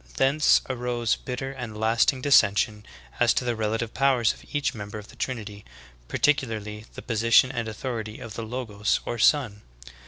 Thence arose bitter and lasting dis sension as to the relative powers of each member of the Trinity, particularly the position and authority of the Logos or Son.